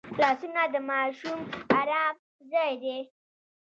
لاسونه د ماشوم ارام ځای دی